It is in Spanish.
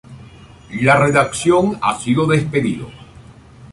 La redacción ha sido despedido.